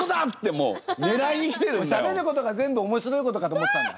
もうしゃべることが全部面白いことかと思ってたんだ？